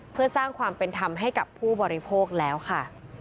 เพื่อสร้างความเป็นธรรมให้กับผู้บริโภคแล้วค่ะ